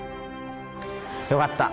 よかった！